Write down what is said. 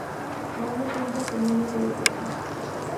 Aun no cuenta con una sede propia.